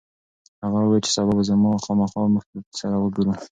هغه وویل چې سبا به خامخا موږ سره وګوري.